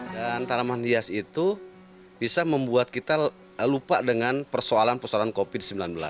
dan tanaman hias itu bisa membuat kita lupa dengan persoalan persoalan covid sembilan belas